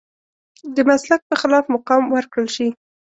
د مسلک په خلاف مقام ورکړل شي.